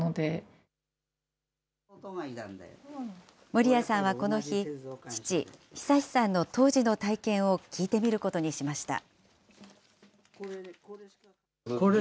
守屋さんはこの日、父、恒さんの当時の体験を聞いてみることにしました。